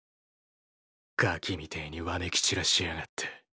ガキみてぇにわめき散らしやがって。